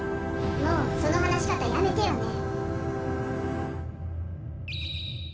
もうそのはなしかたやめてよね。